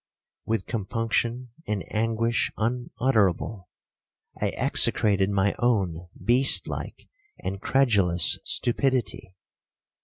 'With compunction and anguish unutterable, I execrated my own beast like and credulous stupidity.